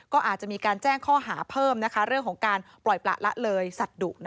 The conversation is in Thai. ก็อาจจะมีการแจ้งข้อหาเพิ่มเรื่องของการปล่อยประละเลยสัตว์ดุ